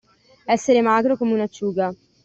Essere magro come un'acciuga.